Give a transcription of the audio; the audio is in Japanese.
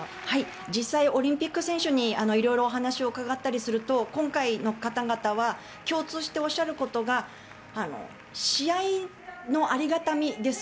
実際にオリンピック選手に色々お話を伺ったりすると今回の方々は共通しておっしゃることが試合のありがたみです。